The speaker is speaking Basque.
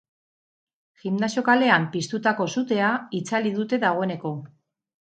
Gimnasio kalean piztutako sutea itzali dute dagoeneko.